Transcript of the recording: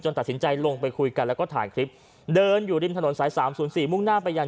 ตัดสินใจลงไปคุยกันแล้วก็ถ่ายคลิปเดินอยู่ริมถนนสาย๓๐๔มุ่งหน้าไปยัง